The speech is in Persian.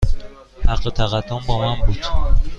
حق تقدم با من بود.